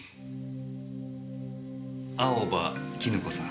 青葉絹子さん。